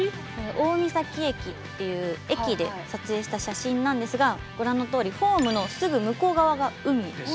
大三東駅っていう駅で撮影した写真なんですがご覧のとおりホームのすぐ向こう側が海。ですね。